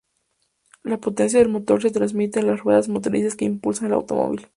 La potencia del motor se transmite a las ruedas motrices, que impulsan al automóvil.